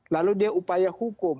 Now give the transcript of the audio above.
lalu dia upaya hukum